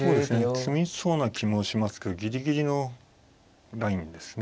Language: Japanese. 詰みそうな気もしますけどギリギリのラインですね。